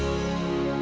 hidup radya jawa